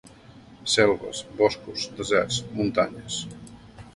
Selves, boscos, deserts, muntanyes.